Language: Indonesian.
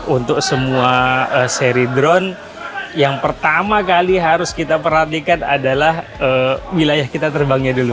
untuk semua seri drone yang pertama kali harus kita perhatikan adalah wilayah kita terbangnya dulu